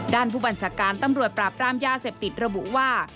ด้านผู้บัญชาการตำรวจปราบรามยาเสพติดระบุว่า